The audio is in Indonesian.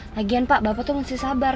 lagian pak bapak tuh masih sabar